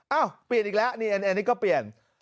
เอ้าเปลี่ยนอีกแล้วอันนี้ก็เปลี่ยน